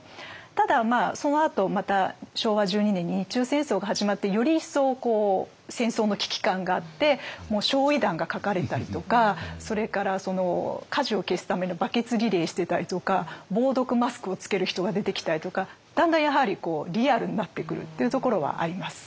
ただそのあとまた昭和１２年に日中戦争が始まってより一層戦争の危機感があって焼夷弾が描かれたりとかそれから火事を消すためのバケツリレーしてたりとか防毒マスクを着ける人が出てきたりとかだんだんやはりリアルになってくるっていうところはあります。